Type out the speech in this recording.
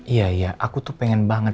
iya iya aku tuh pengen banget